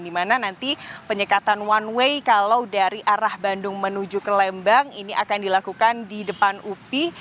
di mana nanti penyekatan one way kalau dari arah bandung menuju ke lembang ini akan dilakukan di depan upi